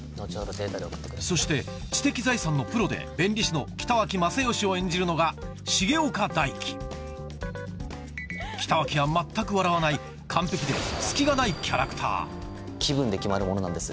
そして知的財産のプロで弁理士の北脇雅美を演じるのが重岡大毅北脇は全く笑わないキャラクター気分で決まるものなんです。